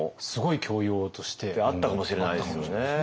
あったかもしれないですよね。